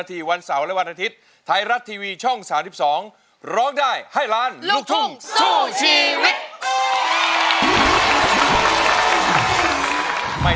โดยผู้เข้าแข่งขันมีสิทธิ์ใช้ตัวช่วย๓ใน๖แผ่นป้ายตลอดการแข่งขัน